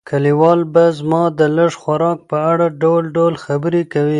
کلیوال به زما د لږ خوراک په اړه ډول ډول خبرې کوي.